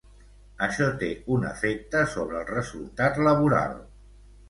Això té un efecte sobre el resultat laboral.